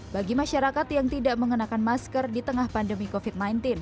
bagi masyarakat yang tidak mengenakan masker di tengah pandemi covid sembilan belas